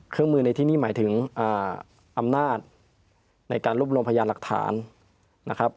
เครื่องมือในที่นี่หมายถึงอำนาจในการรวบรวมพยานหลักฐานนะครับ